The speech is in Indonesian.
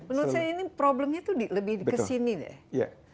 menurut saya ini problemnya itu lebih ke sini deh